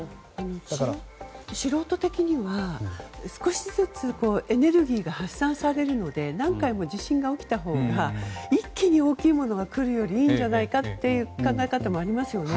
素人的には、少しずつエネルギーが発散されるので何回も地震が起きたほうが一気に大きいものが来るよりいいんじゃないかという考え方もありますよね。